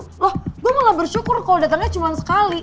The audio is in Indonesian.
loh gue mau gak bersyukur kalo datengnya cuma sekali